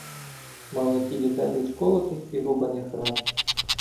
Мав на тілі безліч колотих і рубаних ран.